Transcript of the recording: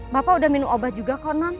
bapak sudah minum obat juga non